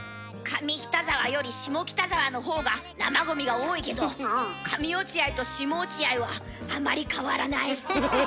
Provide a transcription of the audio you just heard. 上北沢より下北沢のほうが生ゴミが多いけど上落合と下落合はあまり変わらない。